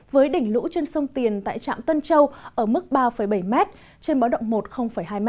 với đỉnh lũ trên sông tiền tại trạm tân châu ở mức ba bảy m trên báo động một hai m